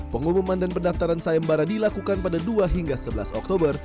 pengumuman dan pendaftaran sayembara dilakukan pada dua hingga sebelas oktober